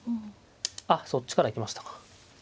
あっそっちから行きましたか。